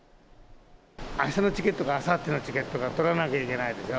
あしたのチケットかあさってのチケットか取らなきゃいけないでしょ。